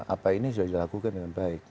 apa ini sudah dilakukan dengan baik